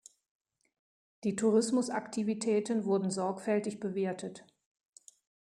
Die Tourismusaktivitäten wurden sorgfältig bewertet.